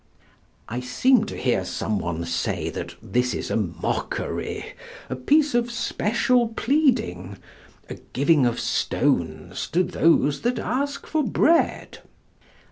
I seem to hear some one say that this is a mockery, a piece of special pleading, a giving of stones to those that ask for bread.